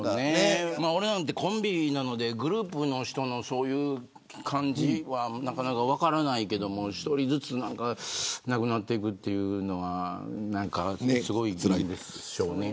俺なんてコンビなのでグループの人のそういう感じはなかなか分からないけど１人ずつ亡くなっていくというのはなんかすごいつらいでしょうね。